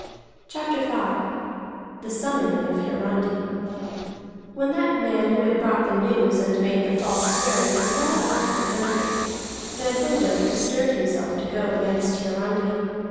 CHAPTER V THE SUMMONING OF HIARANDI When that man who had brought the news and made the false swearing was well out of the country, then Ondott bestirred himself to go against Hiarandi.